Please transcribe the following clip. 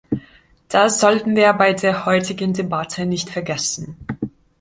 Das sollten wir bei der heutigen Debatte nicht vergessen.